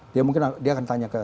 dia mungkin dia akan tanya ke